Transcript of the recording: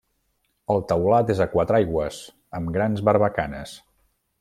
El teulat és a quatre aigües amb grans barbacanes.